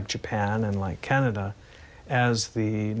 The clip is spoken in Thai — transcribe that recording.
เมื่อประกาศเป็นผ่านขึ้น